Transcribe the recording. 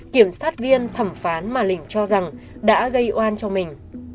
kiểm sát viên thẩm phán mà lình cho rằng đã gây oan cho mình